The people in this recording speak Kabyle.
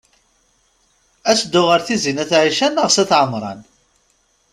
Ad teddu ɣer Tizi n at Ɛica neɣ s at Ɛemṛan?